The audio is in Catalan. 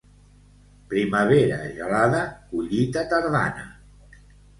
Primavera gelada, collita tardana.